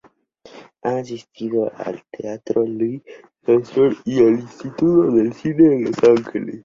Ha asistido al Teatro Lee Strasberg y al Instituto de Cine en Los Ángeles.